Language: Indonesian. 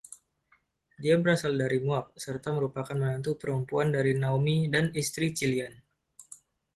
Dia berasal dari Moab serta merupakan menantu perempuan dari Naomi dan istri Chilion.